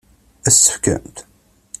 Ad as-tt-tefkemt?